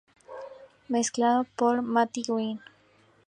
Mezclado por Matty Green.